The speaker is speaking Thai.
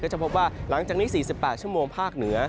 จะพบว่าหลังจากนี้๔๘ชั่วโมงภาคเหนือ